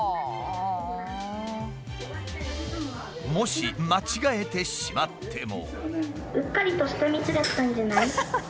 もし間違えてしまっても。